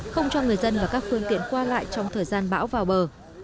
không cho người dân và các phương tiện qua lại trong thời gian bão vào bờ